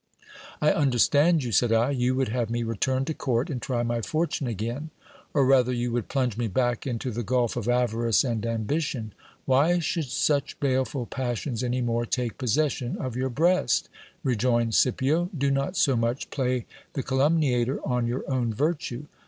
I understand you, said I ; you would have me return to court and try my fortune again, or rather you would plunge me back into the gulf of avarice and ambition. Why should such baleful passions any more take possession of your breast ? rejoined Scipio. Do not so much play the calum 394 GIL BLAS. niator on your own virtue.